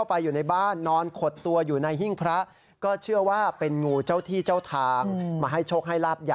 ที่บ้านของคุณป้าแดงนะครับ